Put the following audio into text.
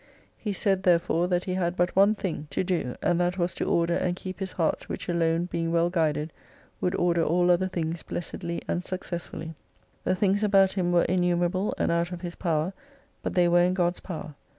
He said therefore, that he had but one thing to z6\ do, and that was to order and keep his heart which alone being well guided, would order all other things blessedly and successfully. The things about him were innumerable and out of his power, but they were in God's power.